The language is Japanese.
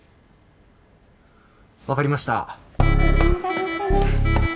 分かりました。